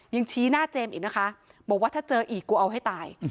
ชี้หน้าเจมส์อีกนะคะบอกว่าถ้าเจออีกกูเอาให้ตาย